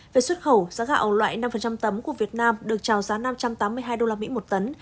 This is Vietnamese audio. về xuất khẩu giá gạo loại năm tấm của việt nam được trào giá năm trăm tám mươi hai đô la mỹ một tấn